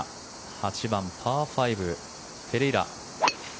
８番、パー５ペレイラ。